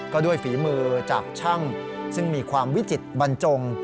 ก็ด้วยฝีมือจากช่างซึ่งมีความวิจิตรบรรจง